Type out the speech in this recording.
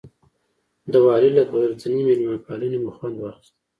د والي له دوه ورځنۍ مېلمه پالنې مو خوند واخیست.